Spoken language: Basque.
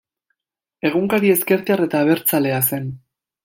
Egunkari ezkertiar eta abertzalea zen.